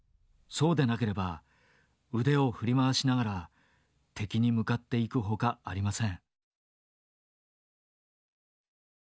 そうでなければ腕を振り回しながら敵に向かっていくほかありません」。